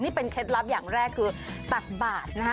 นี่เป็นเคล็ดลับอย่างแรกคือตักบาทนะฮะ